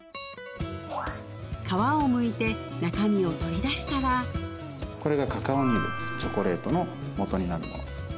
皮をむいて中身を取り出したらこれがカカオニブチョコレートのもとになるもの